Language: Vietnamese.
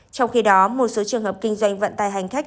trong khi đó một số trường hợp kinh doanh vận tài hành khách